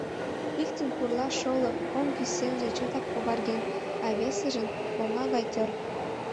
Иктын пурла-шола оҥ кӱсенже чотак оварген, а весыжын — оҥа гай тӧр.